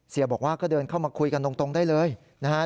บอกว่าก็เดินเข้ามาคุยกันตรงได้เลยนะฮะ